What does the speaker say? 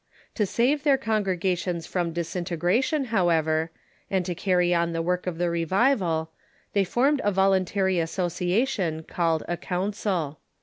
To save their con gregations from disintegration, however, and to carry on the work of the revival, they formed a voluntary association called a Council.